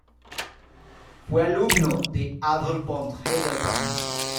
Fue alumno de Adolf von Hildebrand.